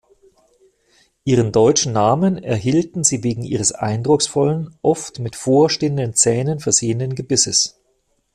Ihren deutschen Namen erhielten sie wegen ihres eindrucksvollen, oft mit vorstehenden Zähnen versehenen Gebisses.